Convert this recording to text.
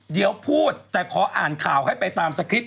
เดี๋ยวพูดแต่ขออ่านข่าวให้ไปตามสคริป